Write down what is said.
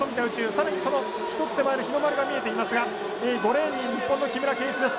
さらに、その１つ手前の日の丸が見えていますが５レーンに日本の木村敬一です。